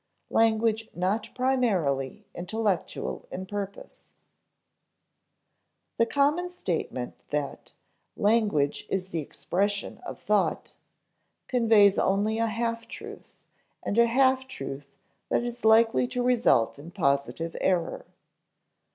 [Sidenote: Language not primarily intellectual in purpose] The common statement that "language is the expression of thought" conveys only a half truth, and a half truth that is likely to result in positive error.